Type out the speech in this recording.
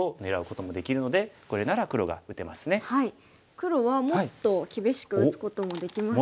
黒はもっと厳しく打つこともできますか？